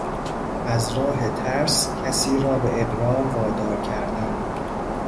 از راه ترس کسی را به اقرار وادار کردن